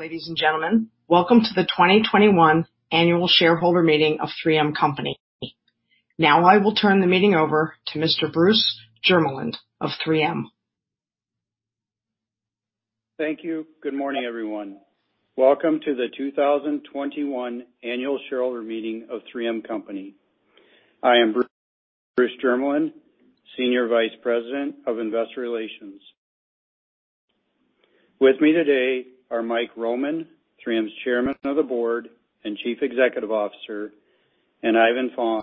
Ladies and gentlemen, welcome to the 2021 Annual Shareholder Meeting of 3M Company. Now I will turn the meeting over to Mr. Bruce Jermeland of 3M. Thank you. Good morning, everyone. Welcome to the 2021 Annual Shareholder Meeting of 3M Company. I am Bruce Jermeland, Senior Vice President of Investor Relations. With me today are Mike Roman, 3M's Chairman of the Board and Chief Executive Officer, and Ivan Fong,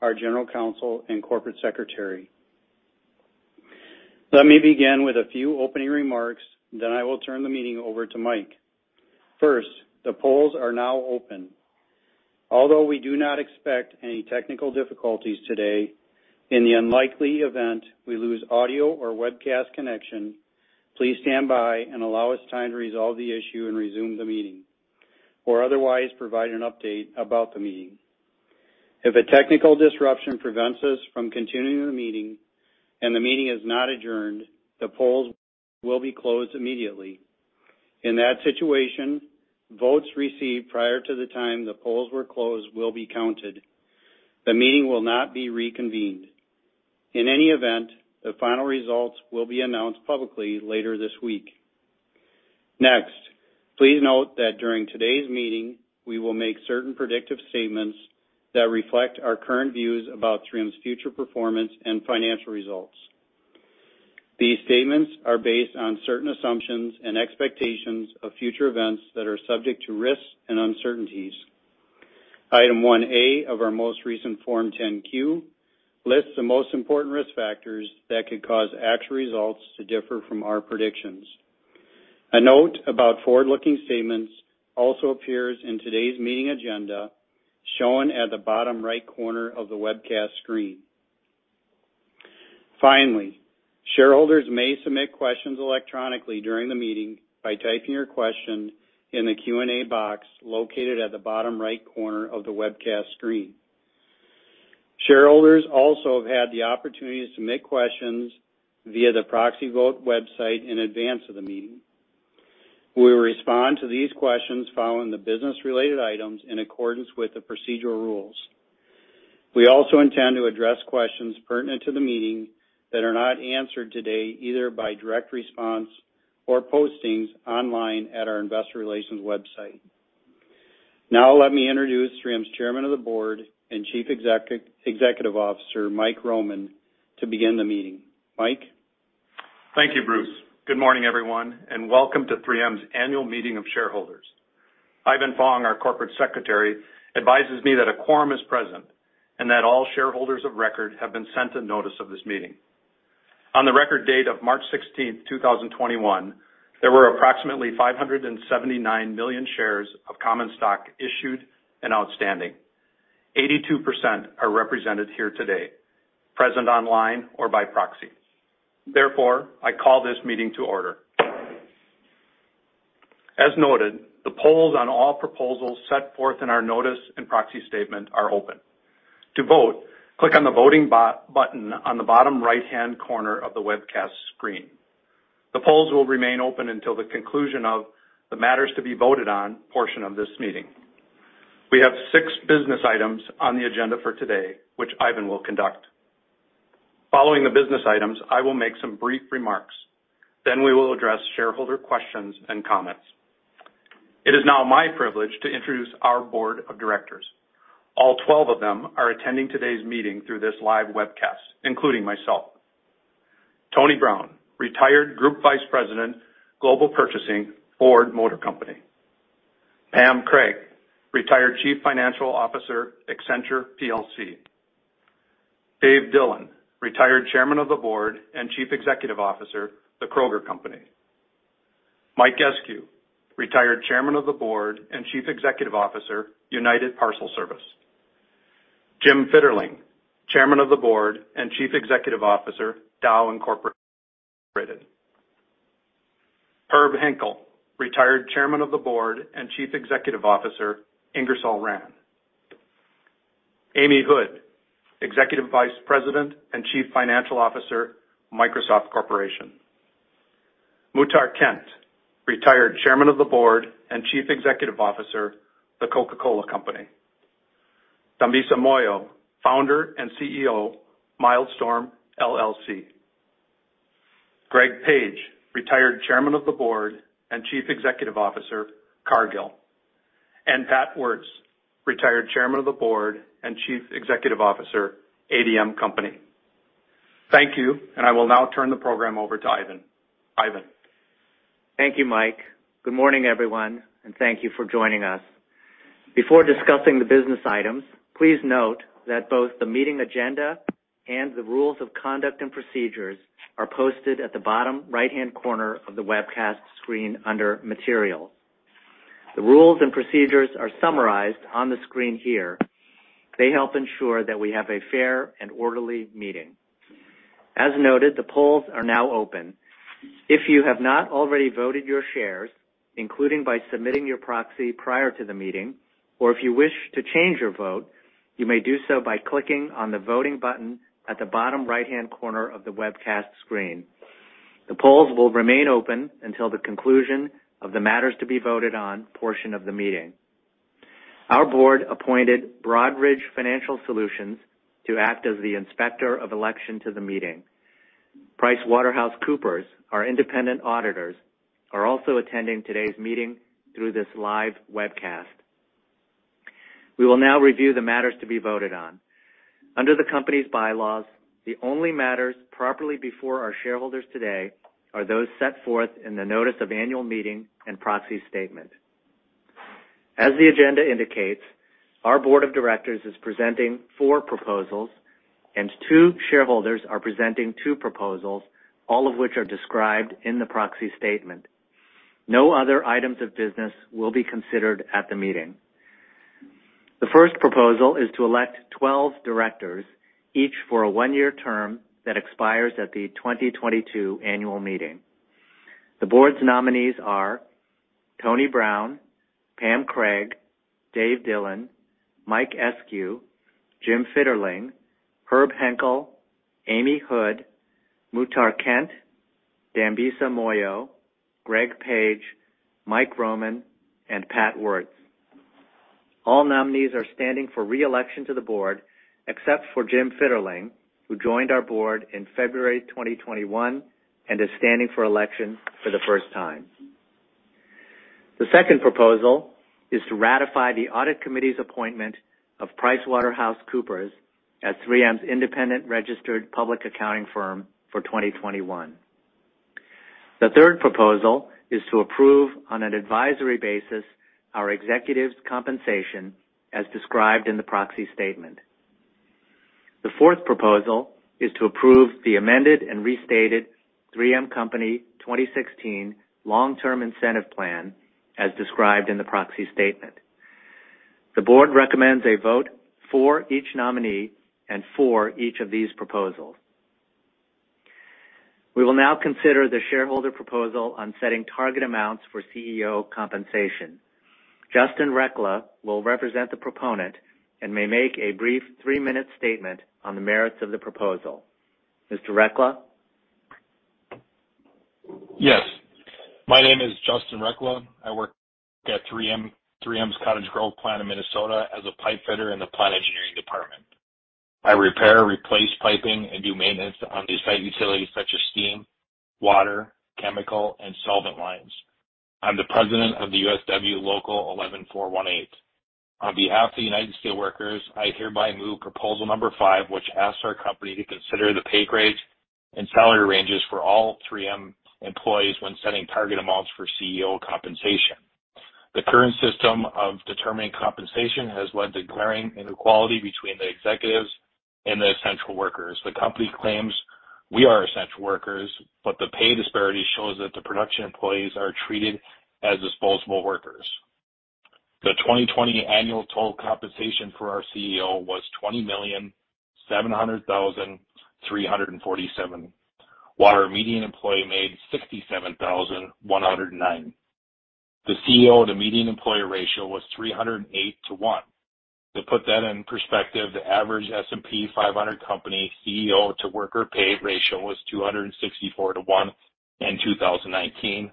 our General Counsel and Corporate Secretary. Let me begin with a few opening remarks, I will turn the meeting over to Mike. First, the polls are now open. Although we do not expect any technical difficulties today, in the unlikely event we lose audio or webcast connection, please stand by and allow us time to resolve the issue and resume the meeting or otherwise provide an update about the meeting. If a technical disruption prevents us from continuing the meeting and the meeting is not adjourned, the polls will be closed immediately. In that situation, votes received prior to the time the polls were closed will be counted. The meeting will not be reconvened. In any event, the final results will be announced publicly later this week. Next, please note that during today's meeting, we will make certain predictive statements that reflect our current views about 3M's future performance and financial results. These statements are based on certain assumptions and expectations of future events that are subject to risks and uncertainties. Item 1A of our most recent Form 10-Q lists the most important risk factors that could cause actual results to differ from our predictions. A note about forward-looking statements also appears in today's meeting agenda, shown at the bottom right corner of the webcast screen. Finally, shareholders may submit questions electronically during the meeting by typing your question in the Q&A box located at the bottom right corner of the webcast screen. Shareholders also have had the opportunity to submit questions via the proxy vote website in advance of the meeting. We will respond to these questions following the business-related items in accordance with the procedural rules. We also intend to address questions pertinent to the meeting that are not answered today, either by direct response or postings online at our investor relations website. Now let me introduce 3M's Chairman of the Board and Chief Executive Officer, Mike Roman, to begin the meeting. Mike. Thank you, Bruce. Good morning, everyone, and welcome to 3M's annual meeting of shareholders. Ivan Fong, our corporate secretary, advises me that a quorum is present and that all shareholders of record have been sent a notice of this meeting. On the record date of March 16, 2021, there were approximately 579 million shares of common stock issued and outstanding. 82% are represented here today, present online or by proxy. Therefore, I call this meeting to order. As noted, the polls on all proposals set forth in our notice and proxy statement are open. To vote, click on the voting button on the bottom right-hand corner of the webcast screen. The polls will remain open until the conclusion of the matters to be voted on portion of this meeting. We have six business items on the agenda for today, which Ivan will conduct. Following the business items, I will make some brief remarks. We will address shareholder questions and comments. It is now my privilege to introduce our board of directors. All 12 of them are attending today's meeting through this live webcast, including myself. Tony Brown, Retired Group Vice President, Global Purchasing, Ford Motor Company. Pam Craig, Retired Chief Financial Officer, Accenture plc. David Dillon, Retired Chairman of the Board and Chief Executive Officer, The Kroger Company. Michael Eskew, Retired Chairman of the Board and Chief Executive Officer, United Parcel Service. James R. Fitterling, Chairman of the Board and Chief Executive Officer, Dow Incorporated. Herbert Henkel, Retired Chairman of the Board and Chief Executive Officer, Ingersoll-Rand Company. Amy Hood, Executive Vice President and Chief Financial Officer, Microsoft Corporation. Muhtar Kent, Retired Chairman of the Board and Chief Executive Officer, The Coca-Cola Company. Dambisa Moyo, Founder and CEO, Mildstorm, LLC. Greg Page, Retired Chairman of the Board and Chief Executive Officer, Cargill. Pat Woertz, Retired Chairman of the Board and Chief Executive Officer, ADM Company. Thank you. I will now turn the program over to Ivan. Ivan. Thank you, Mike. Good morning, everyone, and thank you for joining us. Before discussing the business items, please note that both the meeting agenda and the rules of conduct and procedures are posted at the bottom right-hand corner of the webcast screen under Materials. The rules and procedures are summarized on the screen here. They help ensure that we have a fair and orderly meeting. As noted, the polls are now open. If you have not already voted your shares, including by submitting your proxy prior to the meeting, if you wish to change your vote, you may do so by clicking on the voting button at the bottom right-hand corner of the webcast screen. The polls will remain open until the conclusion of the matters to be voted on portion of the meeting. Our board appointed Broadridge Financial Solutions to act as the Inspector of Election to the meeting. PricewaterhouseCoopers, our independent auditors, are also attending today's meeting through this live webcast. We will now review the matters to be voted on. Under the company's bylaws, the only matters properly before our shareholders today are those set forth in the Notice of Annual Meeting and Proxy Statement. As the agenda indicates, our board of directors is presenting four proposals, and two shareholders are presenting two proposals, all of which are described in the proxy statement. No other items of business will be considered at the meeting. The first proposal is to elect 12 directors, each for a one-year term that expires at the 2022 annual meeting. The board's nominees are Tony Brown, Pam Craig, Dave Dillon, Mike Eskew, Jim Fitterling, Herb Henkel, Amy Hood, Muhtar Kent, Dambisa Moyo, Greg Page, Mike Roman, and Pat Woertz. All nominees are standing for re-election to the board, except for James R. Fitterling, who joined our board in February 2021 and is standing for election for the first time. The second proposal is to ratify the audit committee's appointment of PricewaterhouseCoopers as 3M's independent registered public accounting firm for 2021. The third proposal is to approve, on an advisory basis, our executives' compensation as described in the proxy statement. The fourth proposal is to approve the amended and restated 3M Company 2016 Long-Term Incentive Plan, as described in the proxy statement. The board recommends a vote for each nominee and for each of these proposals. We will now consider the shareholder proposal on setting target amounts for CEO compensation. Justin Recla will represent the proponent and may make a brief 3-minute statement on the merits of the proposal. Mr. Recla? Yes. My name is Justin Recla. I work at 3M's Cottage Grove plant in Minnesota as a pipefitter in the plant engineering department. I repair, replace piping, and do maintenance on the site utilities such as steam, water, chemical, and solvent lines. I'm the President of the USW Local 11-00418. On behalf of the United Steelworkers, I hereby move proposal number five, which asks our company to consider the pay grades and salary ranges for all 3M employees when setting target amounts for CEO compensation. The current system of determining compensation has led to glaring inequality between the executives and the essential workers. The company claims we are essential workers, but the pay disparity shows that the production employees are treated as disposable workers. The 2020 annual total compensation for our CEO was $20,700,347, while our median employee made $67,109. The CEO to median employer ratio was 308 to one. To put that in perspective, the average S&P 500 company CEO-to-worker pay ratio was 264 to one in 2019,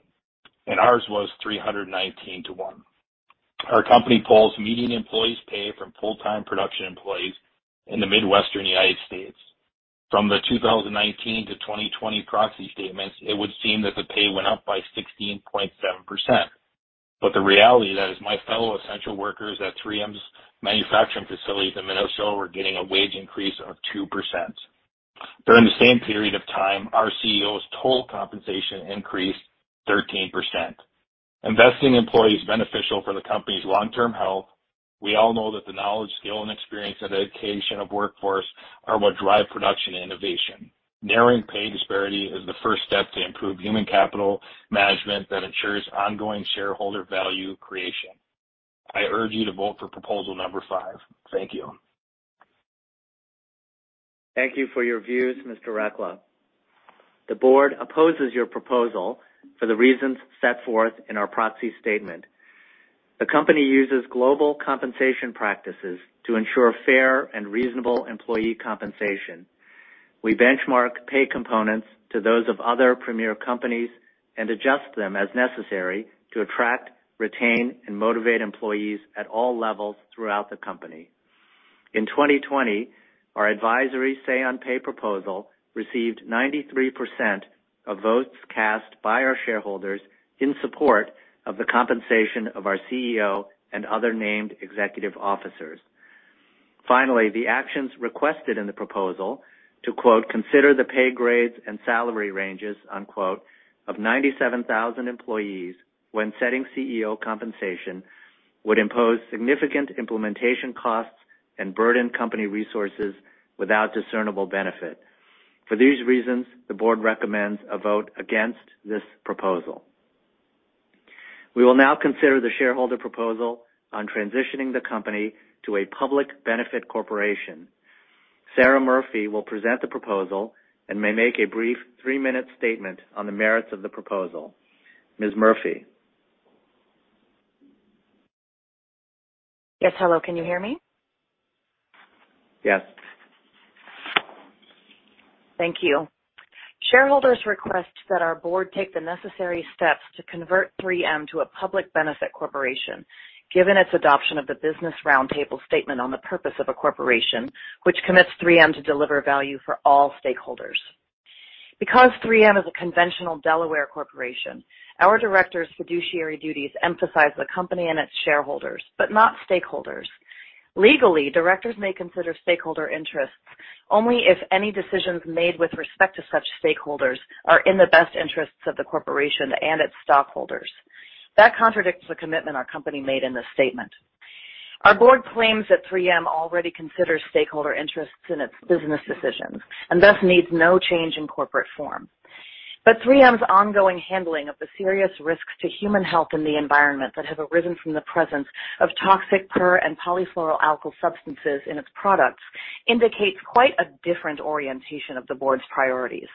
and ours was 319 to one. Our company pulls median employees' pay from full-time production employees in the Midwestern U.S. From the 2019 to 2020 proxy statements, it would seem that the pay went up by 16.7%, but the reality is that my fellow essential workers at 3M's manufacturing facilities in Minnesota were getting a wage increase of 2%. During the same period of time, our CEO's total compensation increased 13%. Investing employees beneficial for the company's long-term health, we all know that the knowledge, skill, and experience, and education of workforce are what drive production and innovation. Narrowing pay disparity is the first step to improve human capital management that ensures ongoing shareholder value creation. I urge you to vote for proposal number five. Thank you. Thank you for your views, Mr. Recla. The board opposes your proposal for the reasons set forth in our proxy statement. The company uses global compensation practices to ensure fair and reasonable employee compensation. We benchmark pay components to those of other premier companies and adjust them as necessary to attract, retain, and motivate employees at all levels throughout the company. In 2020, our advisory Say on Pay proposal received 93% of votes cast by our shareholders in support of the compensation of our CEO and other named executive officers. Finally, the actions requested in the proposal to "Consider the pay grades and salary ranges" of 97,000 employees when setting CEO compensation would impose significant implementation costs and burden company resources without discernible benefit. For these reasons, the board recommends a vote against this proposal. We will now consider the shareholder proposal on transitioning the company to a public benefit corporation. Sara Murphy will present the proposal and may make a brief three-minute statement on the merits of the proposal. Ms. Murphy? Yes, hello. Can you hear me? Yes. Thank you. Shareholders request that our board take the necessary steps to convert 3M to a public benefit corporation, given its adoption of the Business Roundtable Statement on the Purpose of a Corporation, which commits 3M to deliver value for all stakeholders. Because 3M is a conventional Delaware corporation, our directors' fiduciary duties emphasize the company and its shareholders, but not stakeholders. Legally, directors may consider stakeholder interests only if any decisions made with respect to such stakeholders are in the best interests of the corporation and its stockholders. That contradicts the commitment our company made in this statement. Our board claims that 3M already considers stakeholder interests in its business decisions and thus needs no change in corporate form. 3M's ongoing handling of the serious risks to human health and the environment that have arisen from the presence of toxic per- and polyfluoroalkyl substances in its products indicates quite a different orientation of the board's priorities.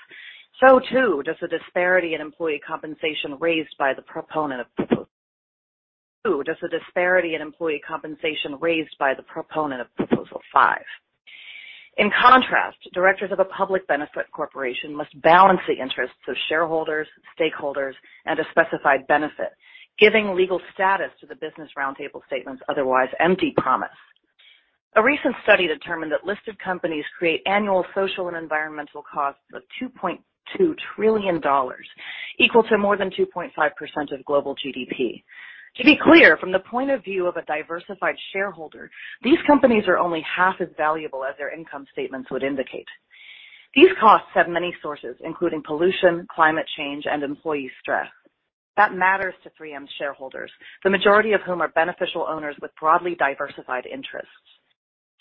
Does the disparity in employee compensation raised by the proponent of proposal five. In contrast, directors of a public benefit corporation must balance the interests of shareholders, stakeholders, and a specified benefit, giving legal status to the Business Roundtable Statement's otherwise empty promise. A recent study determined that listed companies create annual social and environmental costs of $2.2 trillion, equal to more than 2.5% of global GDP. To be clear, from the point of view of a diversified shareholder, these companies are only half as valuable as their income statements would indicate. These costs have many sources, including pollution, climate change, and employee stress. That matters to 3M's shareholders, the majority of whom are beneficial owners with broadly diversified interests.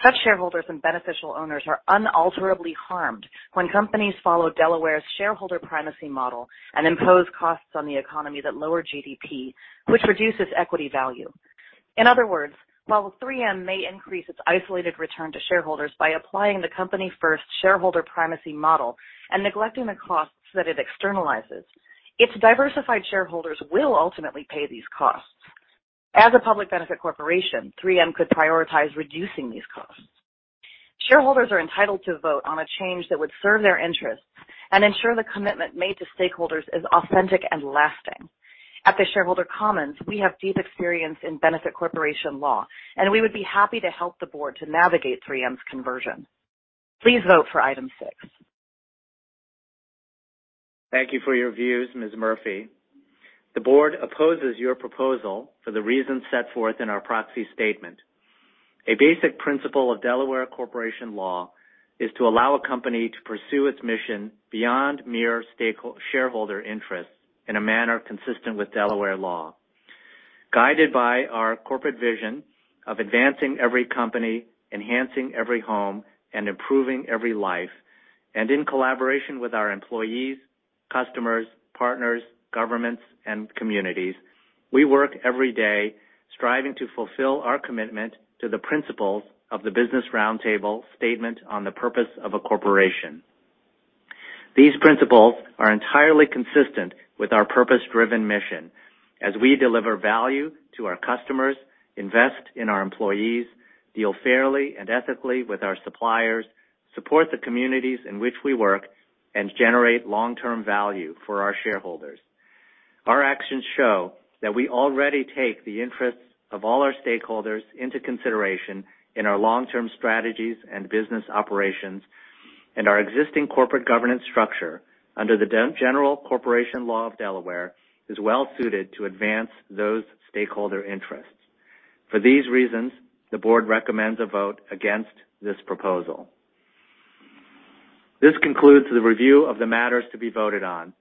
Such shareholders and beneficial owners are unalterably harmed when companies follow Delaware's shareholder primacy model and impose costs on the economy that lower GDP, which reduces equity value. In other words, while 3M may increase its isolated return to shareholders by applying the company-first shareholder primacy model and neglecting the costs that it externalizes, its diversified shareholders will ultimately pay these costs. As a public benefit corporation, 3M could prioritize reducing these costs. Shareholders are entitled to vote on a change that would serve their interests and ensure the commitment made to stakeholders is authentic and lasting. At The Shareholder Commons, we have deep experience in benefit corporation law, and we would be happy to help the board to navigate 3M's conversion. Please vote for item six. Thank you for your views, Ms. Murphy. The board opposes your proposal for the reasons set forth in our proxy statement. A basic principle of Delaware corporation law is to allow a company to pursue its mission beyond mere shareholder interests in a manner consistent with Delaware law. Guided by our corporate vision of advancing every company, enhancing every home, and improving every life, and in collaboration with our employees, customers, partners, governments, and communities, we work every day striving to fulfill our commitment to the principles of the Business Roundtable Statement on the Purpose of a Corporation. These principles are entirely consistent with our purpose-driven mission as we deliver value to our customers, invest in our employees, deal fairly and ethically with our suppliers, support the communities in which we work, and generate long-term value for our shareholders. Our actions show that we already take the interests of all our stakeholders into consideration in our long-term strategies and business operations, and our existing corporate governance structure under the general corporation law of Delaware is well-suited to advance those stakeholder interests. For these reasons, the board recommends a vote against this proposal. This concludes the review of the matters to be voted on.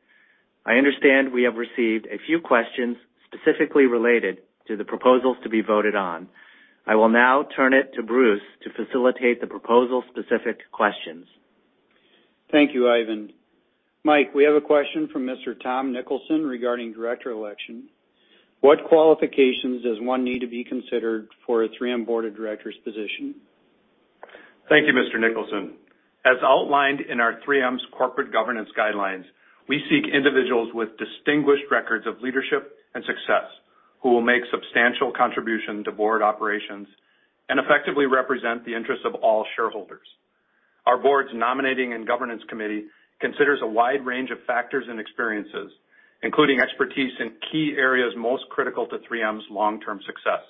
I understand we have received a few questions specifically related to the proposals to be voted on. I will now turn it to Bruce Jermeland to facilitate the proposal-specific questions. Thank you, Ivan. Mike, we have a question from Mr. Tom Nicholson regarding director election. What qualifications does one need to be considered for a 3M board of directors position? Thank you, Mr. Nicholson. As outlined in our 3M's corporate governance guidelines, we seek individuals with distinguished records of leadership and success who will make substantial contribution to board operations and effectively represent the interests of all shareholders. Our board's nominating and governance committee considers a wide range of factors and experiences, including expertise in key areas most critical to 3M's long-term success,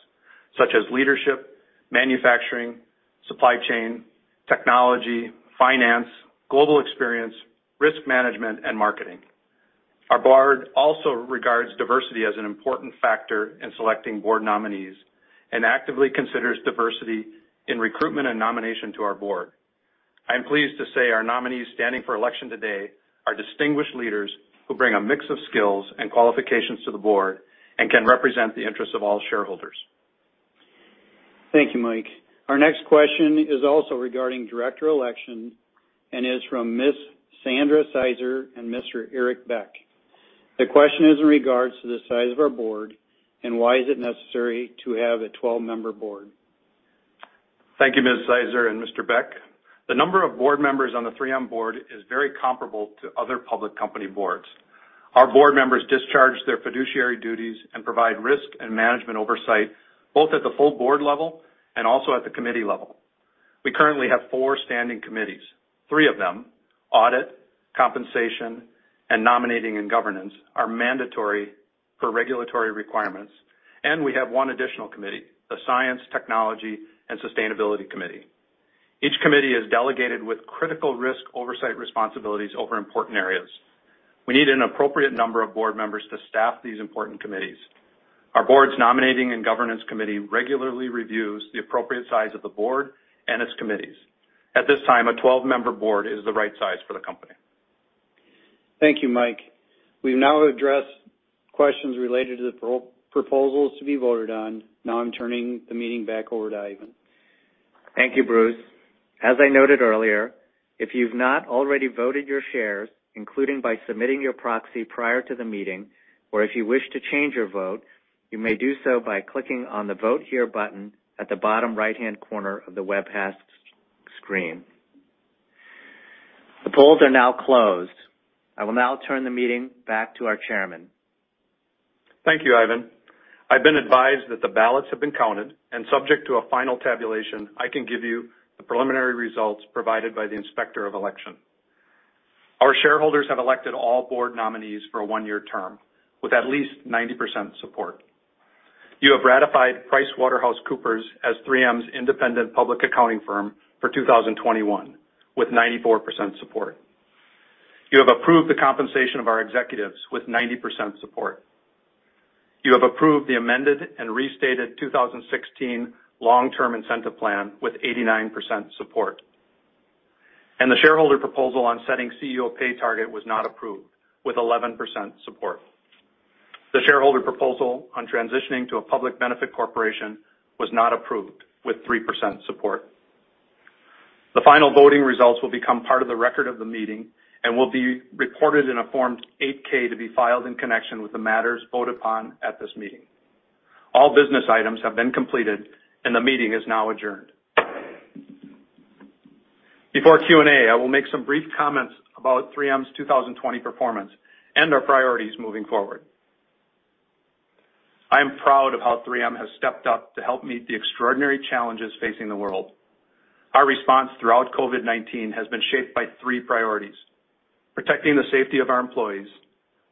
such as leadership, manufacturing, supply chain, technology, finance, global experience, risk management, and marketing. Our board also regards diversity as an important factor in selecting board nominees and actively considers diversity in recruitment and nomination to our board. I am pleased to say our nominees standing for election today are distinguished leaders who bring a mix of skills and qualifications to the board and can represent the interests of all shareholders. Thank you, Mike. Our next question is also regarding director election and is from Ms. Sandra Sizer and Mr. Eric Beck. The question is in regards to the size of our board and why is it necessary to have a 12-member board? Thank you, Ms. Sizer and Mr. Beck. The number of Board members on the 3M Board is very comparable to other public company boards. Our Board members discharge their fiduciary duties and provide risk and management oversight, both at the full Board level and also at the committee level. We currently have four standing committees. Three of them, Audit, Compensation, and Nominating and Governance, are mandatory for regulatory requirements. We have one additional committee, the Science, Technology, and Sustainability Committee. Each committee is delegated with critical risk oversight responsibilities over important areas. We need an appropriate number of Board members to staff these important committees. Our Board's Nominating and Governance Committee regularly reviews the appropriate size of the Board and its committees. At this time, a 12-member Board is the right size for the company. Thank you, Mike. We've now addressed questions related to the proposals to be voted on. I'm turning the meeting back over to Ivan. Thank you, Bruce. As I noted earlier, if you've not already voted your shares, including by submitting your proxy prior to the meeting, or if you wish to change your vote, you may do so by clicking on the Vote Here button at the bottom right-hand corner of the webcast screen. The polls are now closed. I will now turn the meeting back to our chairman. Thank you, Ivan. I've been advised that the ballots have been counted, and subject to a final tabulation, I can give you the preliminary results provided by the Inspector of Election. Our shareholders have elected all board nominees for a 1-year term with at least 90% support. You have ratified PricewaterhouseCoopers as 3M's independent public accounting firm for 2021 with 94% support. You have approved the compensation of our executives with 90% support. You have approved the amended and restated 2016 Long-Term Incentive Plan with 89% support. The shareholder proposal on setting CEO pay target was not approved with 11% support. The shareholder proposal on transitioning to a public benefit corporation was not approved with 3% support. The final voting results will become part of the record of the meeting and will be reported in a Form 8-K to be filed in connection with the matters voted upon at this meeting. All business items have been completed, and the meeting is now adjourned. Before Q&A, I will make some brief comments about 3M's 2020 performance and our priorities moving forward. I am proud of how 3M has stepped up to help meet the extraordinary challenges facing the world. Our response throughout COVID-19 has been shaped by three priorities: protecting the safety of our employees,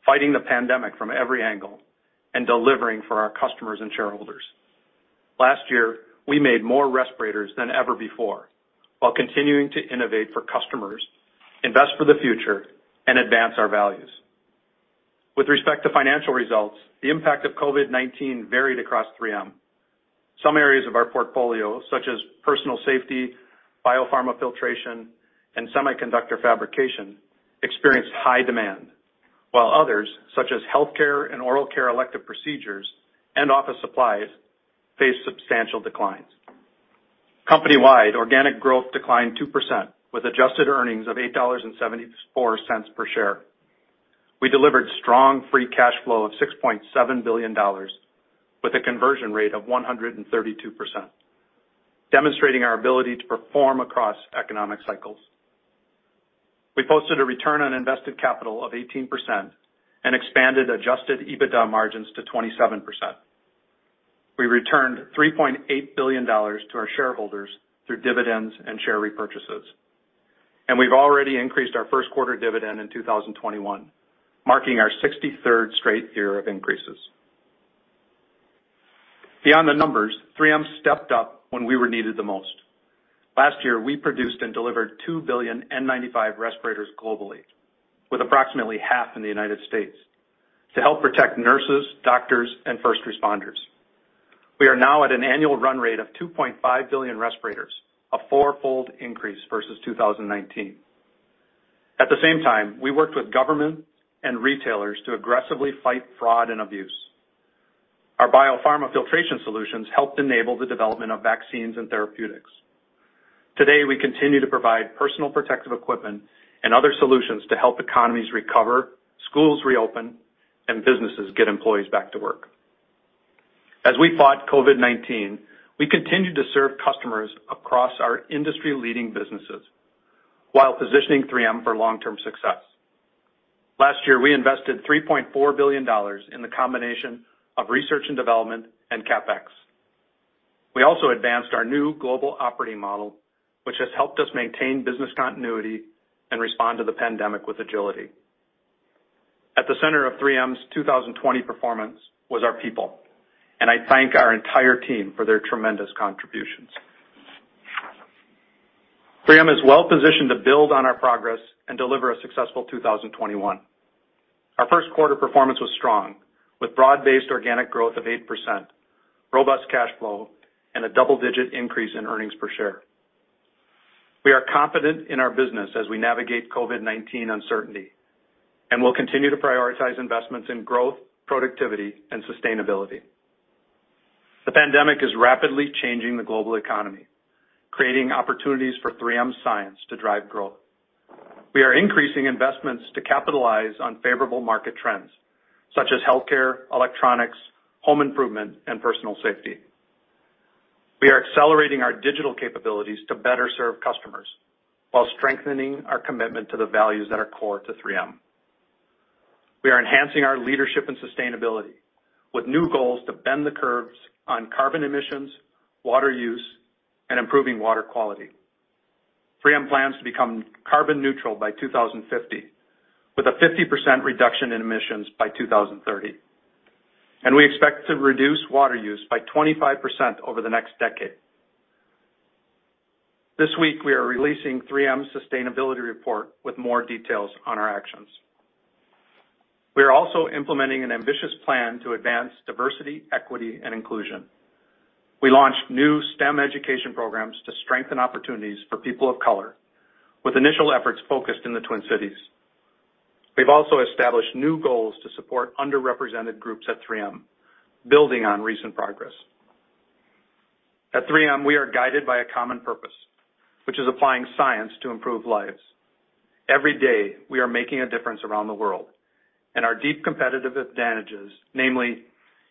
fighting the pandemic from every angle, and delivering for our customers and shareholders. Last year, we made more respirators than ever before while continuing to innovate for customers, invest for the future, and advance our values. With respect to financial results, the impact of COVID-19 varied across 3M. Some areas of our portfolio, such as personal safety, biopharma filtration, and semiconductor fabrication, experienced high demand. Others, such as healthcare and oral care elective procedures and office supplies, faced substantial declines. Company-wide, organic growth declined 2% with adjusted earnings of $8.74 per share. We delivered strong free cash flow of $6.7 billion with a conversion rate of 132%, demonstrating our ability to perform across economic cycles. We posted a return on invested capital of 18% and expanded adjusted EBITDA margins to 27%. We returned $3.8 billion to our shareholders through dividends and share repurchases. We've already increased our first quarter dividend in 2021, marking our 63rd straight year of increases. Beyond the numbers, 3M stepped up when we were needed the most. Last year, we produced and delivered 2 billion N95 respirators globally, with approximately half in the U.S., to help protect nurses, doctors, and first responders. We are now at an annual run rate of 2.5 billion respirators, a four fold increase versus 2019. At the same time, we worked with government and retailers to aggressively fight fraud and abuse. Our biopharma filtration solutions helped enable the development of vaccines and therapeutics. Today, we continue to provide personal protective equipment and other solutions to help economies recover, schools reopen, and businesses get employees back to work. As we fought COVID-19, we continued to serve customers across our industry-leading businesses while positioning 3M for long-term success. Last year, we invested $3.4 billion in the combination of research and development and CapEx. We also advanced our new global operating model, which has helped us maintain business continuity and respond to the pandemic with agility. At the center of 3M's 2020 performance was our people, and I thank our entire team for their tremendous contributions. 3M is well positioned to build on our progress and deliver a successful 2021. Our first quarter performance was strong, with broad-based organic growth of 8%, robust cash flow, and a double-digit increase in EPS. We are confident in our business as we navigate COVID-19 uncertainty, and we'll continue to prioritize investments in growth, productivity, and sustainability. The pandemic is rapidly changing the global economy, creating opportunities for 3M science to drive growth. We are increasing investments to capitalize on favorable market trends, such as healthcare, electronics, home improvement, and personal safety. We are accelerating our digital capabilities to better serve customers while strengthening our commitment to the values that are core to 3M. We are enhancing our leadership and sustainability with new goals to bend the curves on carbon emissions, water use, and improving water quality. 3M plans to become carbon neutral by 2050, with a 50% reduction in emissions by 2030, and we expect to reduce water use by 25% over the next decade. This week, we are releasing 3M Sustainability Report with more details on our actions. We are also implementing an ambitious plan to advance diversity, equity, and inclusion. We launched new STEM education programs to strengthen opportunities for people of color with initial efforts focused in the Twin Cities. We've also established new goals to support underrepresented groups at 3M, building on recent progress. At 3M, we are guided by a common purpose, which is applying science to improve lives. Every day, we are making a difference around the world and our deep competitive advantages, namely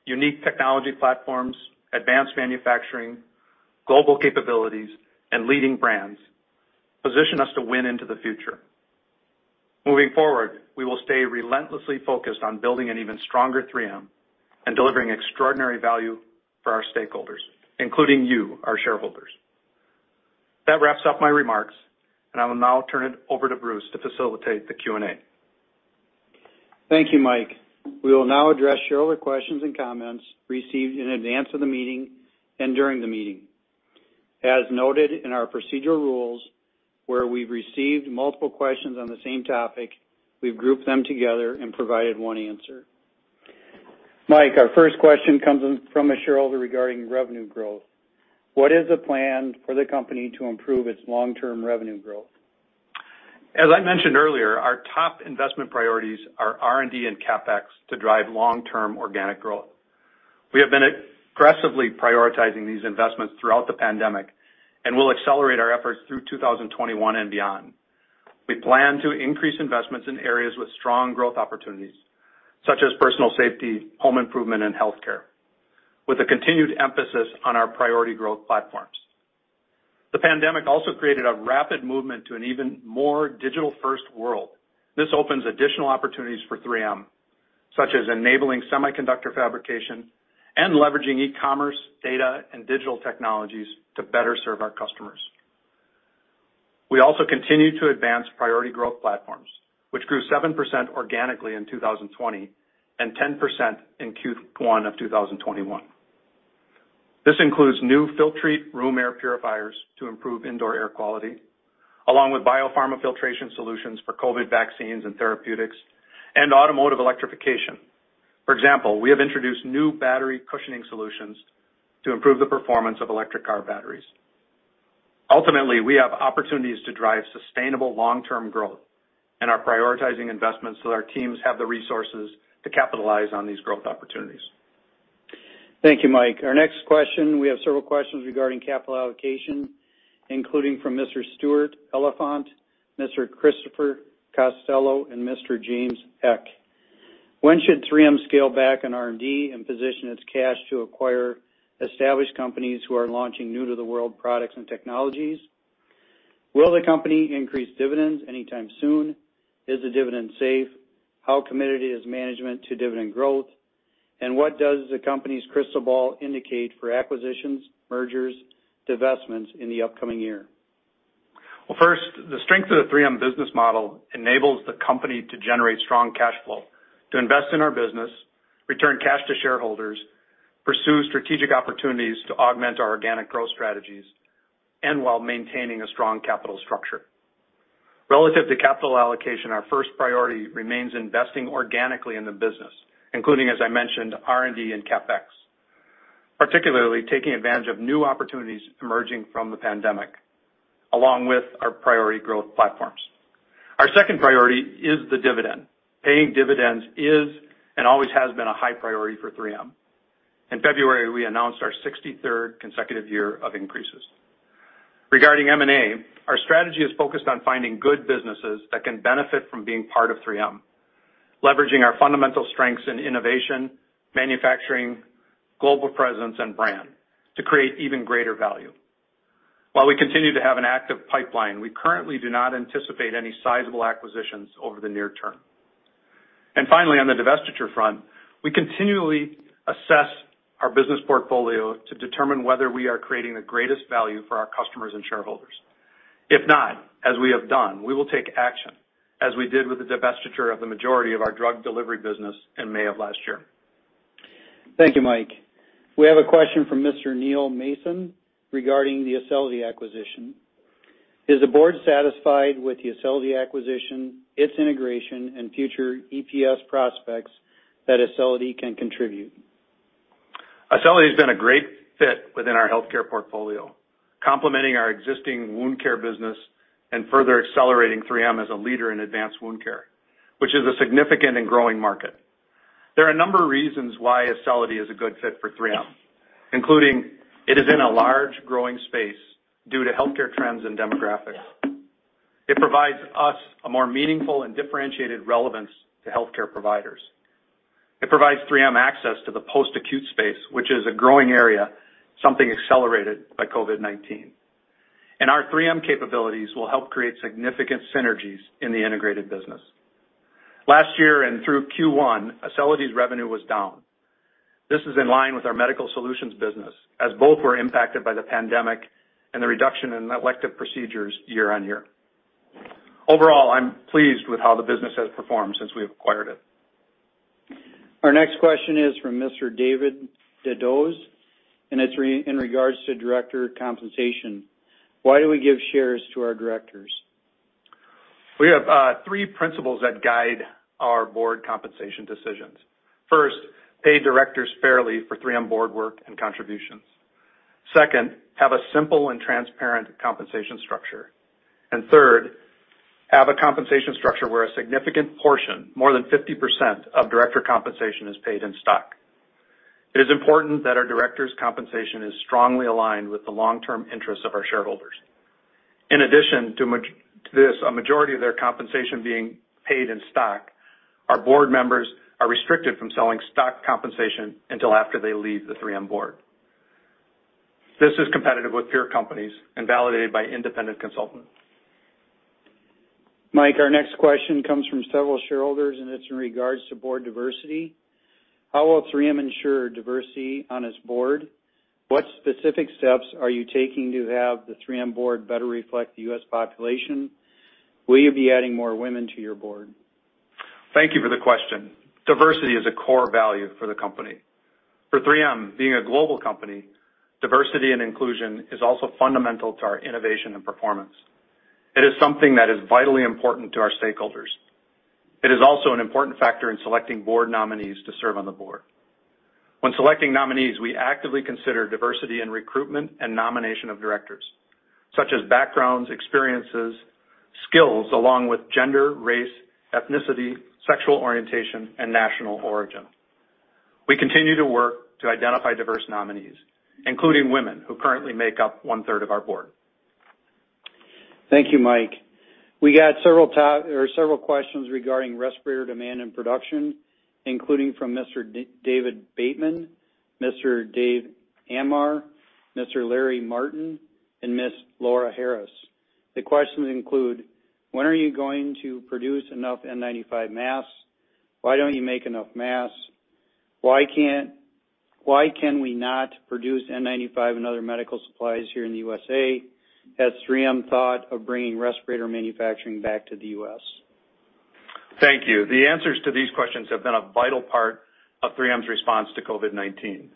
unique technology platforms, advanced manufacturing, global capabilities, and leading brands position us to win into the future. Moving forward, we will stay relentlessly focused on building an even stronger 3M and delivering extraordinary value for our stakeholders, including you, our shareholders. That wraps up my remarks, and I will now turn it over to Bruce to facilitate the Q&A. Thank you, Mike. We will now address shareholder questions and comments received in advance of the meeting and during the meeting. As noted in our procedural rules, where we've received multiple questions on the same topic, we've grouped them together and provided one answer. Mike, our first question comes in from a shareholder regarding revenue growth. What is the plan for the company to improve its long-term revenue growth? As I mentioned earlier, our top investment priorities are R&D and CapEx to drive long-term organic growth. We have been aggressively prioritizing these investments throughout the pandemic, and we'll accelerate our efforts through 2021 and beyond. We plan to increase investments in areas with strong growth opportunities, such as personal safety, home improvement, and healthcare, with a continued emphasis on our priority growth platforms. The pandemic also created a rapid movement to an even more digital-first world. This opens additional opportunities for 3M, such as enabling semiconductor fabrication and leveraging e-commerce, data, and digital technologies to better serve our customers. We also continue to advance priority growth platforms, which grew 7% organically in 2020 and 10% in Q1 of 2021. This includes new Filtrete room air purifiers to improve indoor air quality, along with biopharma filtration solutions for COVID vaccines and therapeutics and automotive electrification. For example, we have introduced new battery cushioning solutions to improve the performance of electric car batteries. Ultimately, we have opportunities to drive sustainable long-term growth and are prioritizing investments so that our teams have the resources to capitalize on these growth opportunities. Thank you, Mike. Our next question, we have several questions regarding capital allocation, including from Mr. Stuart Elefant, Mr. Christopher Costello, and Mr. James Eck. When should 3M scale back on R&D and position its cash to acquire established companies who are launching new-to-the-world products and technologies? Will the company increase dividends anytime soon? Is the dividend safe? How committed is management to dividend growth? What does the company's crystal ball indicate for acquisitions, mergers, divestments in the upcoming year? Well, first, the strength of the 3M business model enables the company to generate strong cash flow to invest in our business, return cash to shareholders, pursue strategic opportunities to augment our organic growth strategies, and while maintaining a strong capital structure. Relative to capital allocation, our first priority remains investing organically in the business, including, as I mentioned, R&D and CapEx, particularly taking advantage of new opportunities emerging from the pandemic, along with our priority growth platforms. Our second priority is the dividend. Paying dividends is and always has been a high priority for 3M. In February, we announced our 63rd consecutive year of increases. Regarding M&A, our strategy is focused on finding good businesses that can benefit from being part of 3M, leveraging our fundamental strengths in innovation, manufacturing, global presence, and brand to create even greater value. While we continue to have an active pipeline, we currently do not anticipate any sizable acquisitions over the near term. Finally, on the divestiture front, we continually assess our business portfolio to determine whether we are creating the greatest value for our customers and shareholders. If not, as we have done, we will take action, as we did with the divestiture of the majority of our drug delivery business in May of last year. Thank you, Mike. We have a question from Mr. Neil Mason regarding the Acelity acquisition. Is the board satisfied with the Acelity acquisition, its integration, and future EPS prospects that Acelity can contribute? Acelity has been a great fit within our healthcare portfolio, complementing our existing wound care business and further accelerating 3M as a leader in advanced wound care, which is a significant and growing market. There are a number of reasons why Acelity is a good fit for 3M, including it is in a large growing space due to healthcare trends and demographics. It provides us a more meaningful and differentiated relevance to healthcare providers. It provides 3M access to the post-acute space, which is a growing area, something accelerated by COVID-19. Our 3M capabilities will help create significant synergies in the integrated business. Last year and through Q1, Acelity's revenue was down. This is in line with our medical solutions business, as both were impacted by the pandemic and the reduction in elective procedures year-over-year. Overall, I'm pleased with how the business has performed since we've acquired it. Our next question is from Mr. David DeDoze, and it's in regards to director compensation. Why do we give shares to our directors? We have three principles that guide our board compensation decisions. First, pay directors fairly for 3M board work and contributions. Second, have a simple and transparent compensation structure. Third, have a compensation structure where a significant portion, more than 50% of director compensation is paid in stock. It is important that our directors' compensation is strongly aligned with the long-term interests of our shareholders. In addition to this, a majority of their compensation being paid in stock, our board members are restricted from selling stock compensation until after they leave the 3M board. This is competitive with peer companies and validated by independent consultants. Mike, our next question comes from several shareholders, and it's in regards to board diversity. How will 3M ensure diversity on its board? What specific steps are you taking to have the 3M board better reflect the U.S. population? Will you be adding more women to your board? Thank you for the question. Diversity is a core value for the company. For 3M, being a global company, diversity and inclusion is also fundamental to our innovation and performance. It is something that is vitally important to our stakeholders. It is also an important factor in selecting board nominees to serve on the board. When selecting nominees, we actively consider diversity in recruitment and nomination of directors, such as backgrounds, experiences, skills, along with gender, race, ethnicity, sexual orientation, and national origin. We continue to work to identify diverse nominees, including women who currently make up one-third of our board. Thank you, Mike. We got several questions regarding respirator demand and production, including from Mr. David Bateman, Mr. Dave Amar, Mr. Larry Martin, and Ms. Laura Harris. The questions include, when are you going to produce enough N95 masks? Why don't you make enough masks? Why can we not produce N95 and other medical supplies here in the U.S.A.? Has 3M thought of bringing respirator manufacturing back to the U.S.? Thank you. The answers to these questions have been a vital part of 3M's response to COVID-19.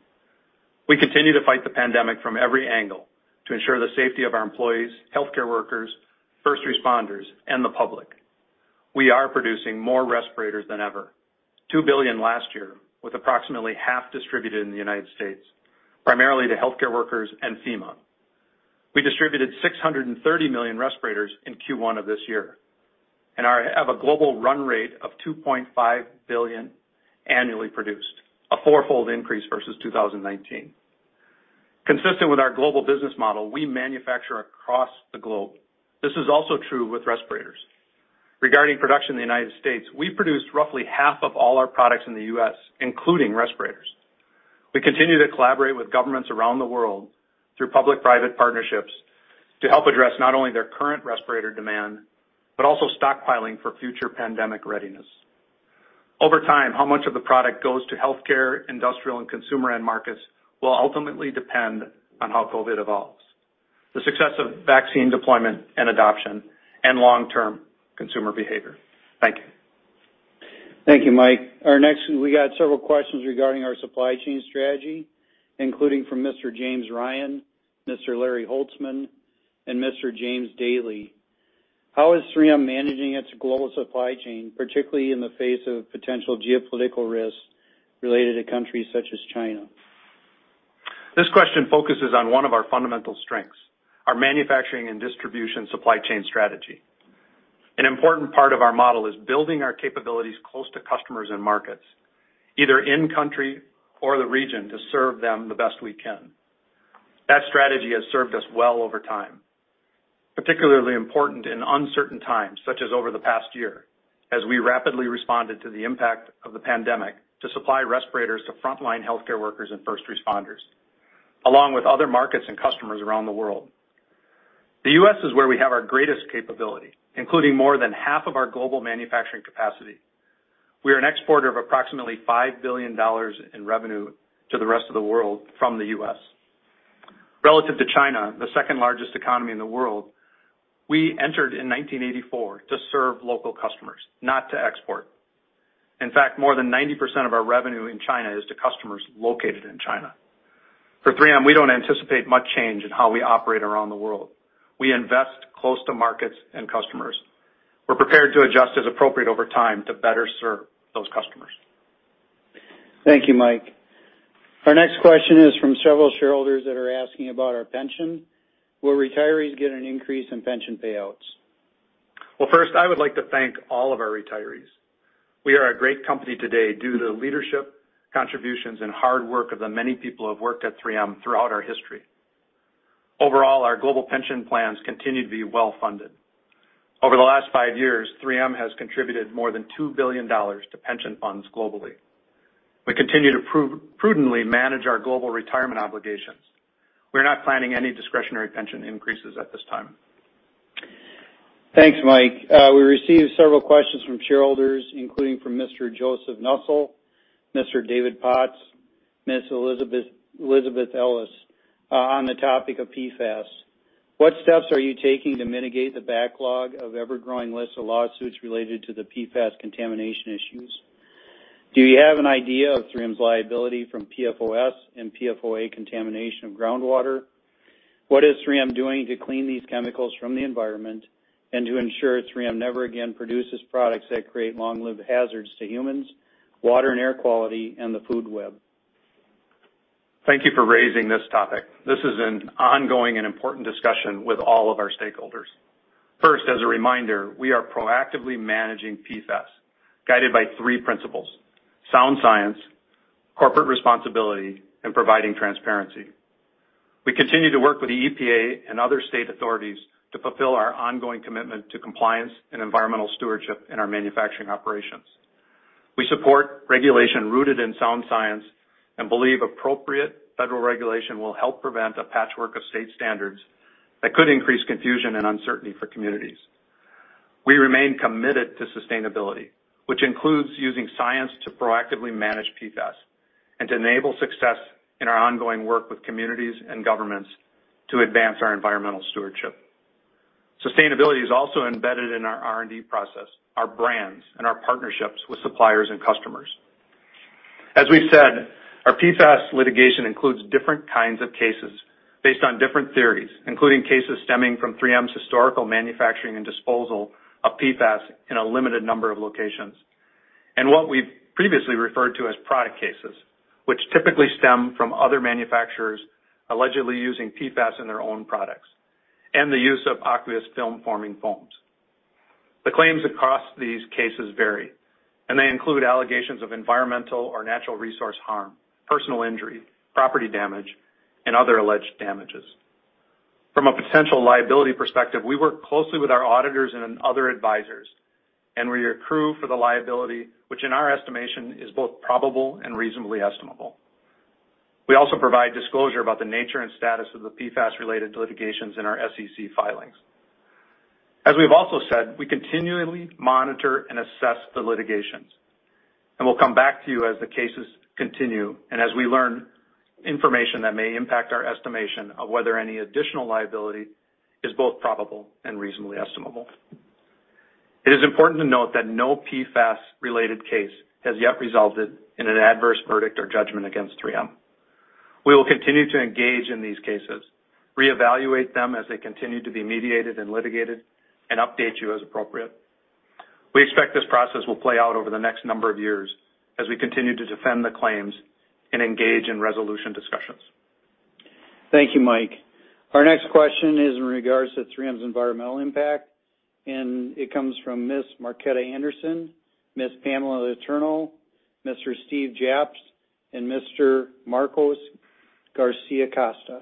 We continue to fight the pandemic from every angle to ensure the safety of our employees, healthcare workers, first responders, and the public. We are producing more respirators than ever, 2 billion last year, with approximately half distributed in the U.S., primarily to healthcare workers and FEMA. We distributed 630 million respirators in Q1 of this year, have a global run rate of 2.5 billion annually produced, a four-fold increase versus 2019. Consistent with our global business model, we manufacture across the globe. This is also true with respirators. Regarding production in the U.S., we produce roughly half of all our products in the U.S., including respirators. We continue to collaborate with governments around the world through public-private partnerships to help address not only their current respirator demand, but also stockpiling for future pandemic readiness. Over time, how much of the product goes to healthcare, industrial, and consumer end markets will ultimately depend on how COVID evolves, the success of vaccine deployment and adoption, and long-term consumer behavior. Thank you. Thank you, Mike. We got several questions regarding our supply chain strategy, including from Mr. James Ryan, Mr. Larry Holtzman, and Mr. James Daly. How is 3M managing its global supply chain, particularly in the face of potential geopolitical risks related to countries such as China? This question focuses on one of our fundamental strengths, our manufacturing and distribution supply chain strategy. An important part of our model is building our capabilities close to customers and markets, either in country or the region to serve them the best we can. That strategy has served us well over time, particularly important in uncertain times, such as over the past year, as we rapidly responded to the impact of the pandemic to supply respirators to frontline healthcare workers and first responders, along with other markets and customers around the world. The U.S. is where we have our greatest capability, including more than half of our global manufacturing capacity. We are an exporter of approximately $5 billion in revenue to the rest of the world from the U.S. Relative to China, the second-largest economy in the world, we entered in 1984 to serve local customers, not to export. In fact, more than 90% of our revenue in China is to customers located in China. For 3M, we don't anticipate much change in how we operate around the world. We invest close to markets and customers. We're prepared to adjust as appropriate over time to better serve those customers. Thank you, Mike. Our next question is from several shareholders that are asking about our pension. Will retirees get an increase in pension payouts? Well, first, I would like to thank all of our retirees. We are a great company today due to the leadership, contributions, and hard work of the many people who have worked at 3M throughout our history. Overall, our global pension plans continue to be well-funded. Over the last five years, 3M has contributed more than $2 billion to pension funds globally. We continue to prudently manage our global retirement obligations. We're not planning any discretionary pension increases at this time. Thanks, Mike. We received several questions from shareholders, including from Mr. Joseph Russell, Mr. David Potts, Ms. Elizabeth Ellis, on the topic of PFAS. What steps are you taking to mitigate the backlog of ever-growing lists of lawsuits related to the PFAS contamination issues? Do you have an idea of 3M's liability from PFOS and PFOA contamination of groundwater? What is 3M doing to clean these chemicals from the environment and to ensure 3M never again produces products that create long-lived hazards to humans, water and air quality, and the food web? Thank you for raising this topic. This is an ongoing and important discussion with all of our stakeholders. First, as a reminder, we are proactively managing PFAS, guided by three principles: sound science, corporate responsibility, and providing transparency. We continue to work with the EPA and other state authorities to fulfill our ongoing commitment to compliance and environmental stewardship in our manufacturing operations. We support regulation rooted in sound science and believe appropriate federal regulation will help prevent a patchwork of state standards that could increase confusion and uncertainty for communities. We remain committed to sustainability, which includes using science to proactively manage PFAS and to enable success in our ongoing work with communities and governments to advance our environmental stewardship. Sustainability is also embedded in our R&D process, our brands, and our partnerships with suppliers and customers. As we've said, our PFAS litigation includes different kinds of cases based on different theories, including cases stemming from 3M's historical manufacturing and disposal of PFAS in a limited number of locations, and what we've previously referred to as product cases, which typically stem from other manufacturers allegedly using PFAS in their own products, and the use of aqueous film-forming foams. The claims across these cases vary, and they include allegations of environmental or natural resource harm, personal injury, property damage, and other alleged damages. From a potential liability perspective, we work closely with our auditors and then other advisors, and we accrue for the liability, which in our estimation is both probable and reasonably estimable. We also provide disclosure about the nature and status of the PFAS-related litigations in our SEC filings. As we've also said, we continually monitor and assess the litigations, and we'll come back to you as the cases continue and as we learn information that may impact our estimation of whether any additional liability is both probable and reasonably estimable. It is important to note that no PFAS-related case has yet resulted in an adverse verdict or judgment against 3M. We will continue to engage in these cases, reevaluate them as they continue to be mediated and litigated, and update you as appropriate. We expect this process will play out over the next number of years as we continue to defend the claims and engage in resolution discussions. Thank you, Mike. Our next question is in regards to 3M's environmental impact, and it comes from Ms. Marketta Anderson, Ms. Pamela Eternal, Mr. Steve Japs, and Mr. Marcos Garcia Costa.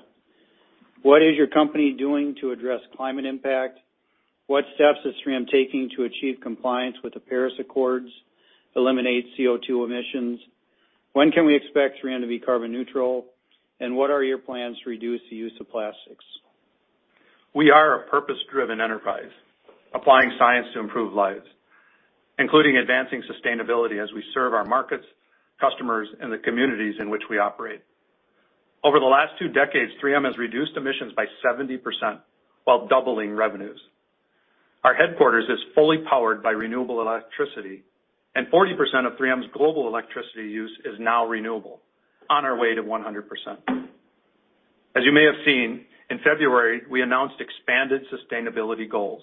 What is your company doing to address climate impact? What steps is 3M taking to achieve compliance with the Paris Agreement, eliminate CO2 emissions? When can we expect 3M to be carbon neutral, and what are your plans to reduce the use of plastics? We are a purpose-driven enterprise, applying science to improve lives, including advancing sustainability as we serve our markets, customers, and the communities in which we operate. Over the last 2 decades, 3M has reduced emissions by 70% while doubling revenues. Our headquarters is fully powered by renewable electricity, and 40% of 3M's global electricity use is now renewable, on our way to 100%. As you may have seen, in February, we announced expanded sustainability goals.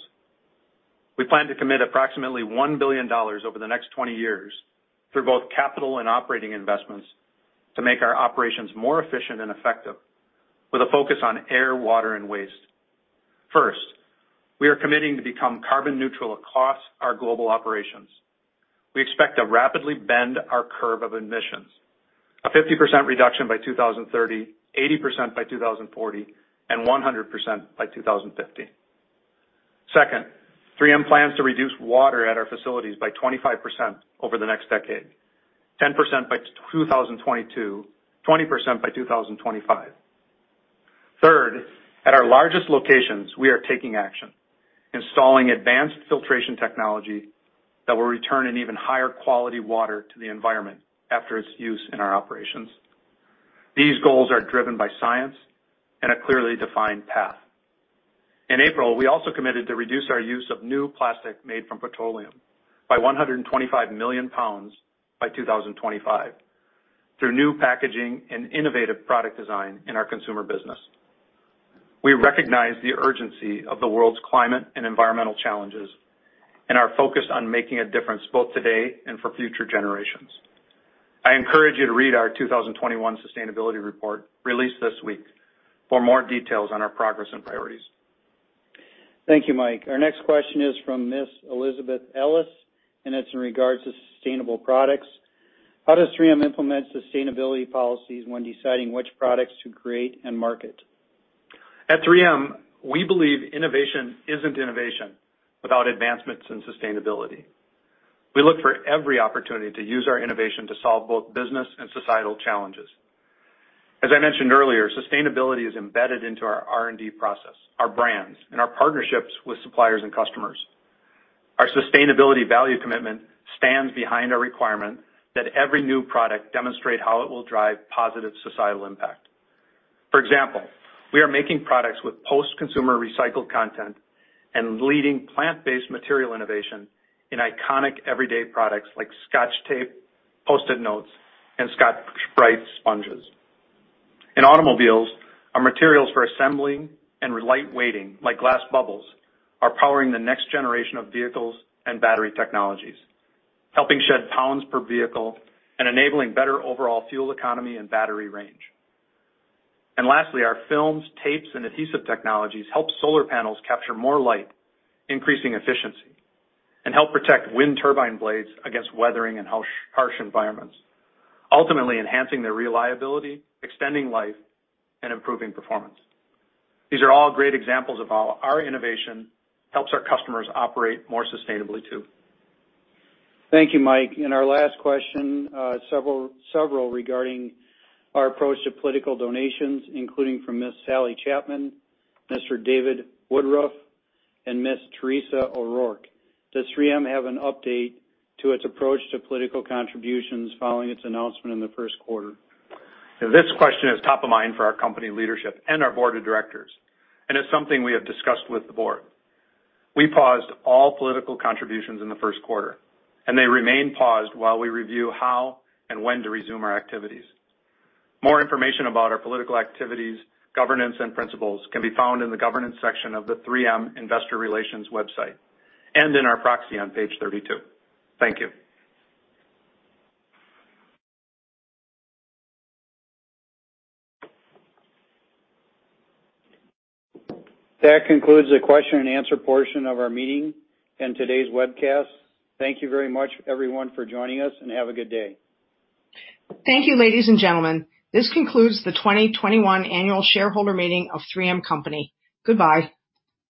We plan to commit approximately $1 billion over the next 20 years through both capital and operating investments to make our operations more efficient and effective with a focus on air, water, and waste. First, we are committing to become carbon neutral across our global operations. We expect to rapidly bend our curve of emissions, a 50% reduction by 2030, 80% by 2040, and 100% by 2050. Second, 3M plans to reduce water at our facilities by 25% over the next decade, 10% by 2022, 20% by 2025. Third, at our largest locations, we are taking action, installing advanced filtration technology that will return an even higher quality water to the environment after its use in our operations. These goals are driven by science and a clearly defined path. In April, we also committed to reduce our use of new plastic made from petroleum by 125 million pounds by 2025 through new packaging and innovative product design in our consumer business. We recognize the urgency of the world's climate and environmental challenges and are focused on making a difference both today and for future generations. I encourage you to read our 2021 sustainability report released this week for more details on our progress and priorities. Thank you, Mike. Our next question is from Ms. Elizabeth Ellis, and it's in regards to sustainable products. How does 3M implement sustainability policies when deciding which products to create and market? At 3M, we believe innovation isn't innovation without advancements in sustainability. We look for every opportunity to use our innovation to solve both business and societal challenges. As I mentioned earlier, sustainability is embedded into our R&D process, our brands, and our partnerships with suppliers and customers. Our sustainability value commitment stands behind our requirement that every new product demonstrate how it will drive positive societal impact. For example, we are making products with post-consumer recycled content and leading plant-based material innovation in iconic everyday products like Scotch tape, Post-it notes, and Scotch-Brite sponges. In automobiles, our materials for assembling and lightweighting, like Glass Bubbles, are powering the next generation of vehicles and battery technologies, helping shed pounds per vehicle and enabling better overall fuel economy and battery range. Lastly, our films, tapes, and adhesive technologies help solar panels capture more light, increasing efficiency, and help protect wind turbine blades against weathering and harsh environments, ultimately enhancing their reliability, extending life, and improving performance. These are all great examples of how our innovation helps our customers operate more sustainably too. Thank you, Mike. Our last question, several regarding our approach to political donations, including from Miss Sally Chapman, Mr. David Woodruff, and Miss Teresa O'Rourke. Does 3M have an update to its approach to political contributions following its announcement in the first quarter? This question is top of mind for our company leadership and our board of directors. It's something we have discussed with the board. We paused all political contributions in the first quarter. They remain paused while we review how and when to resume our activities. More information about our political activities, governance, and principles can be found in the governance section of the 3M Investor Relations website and in our proxy on page 32. Thank you. That concludes the question and answer portion of our meeting and today's webcast. Thank you very much, everyone, for joining us, and have a good day. Thank you, ladies and gentlemen. This concludes the 2021 annual shareholder meeting of 3M Company. Goodbye.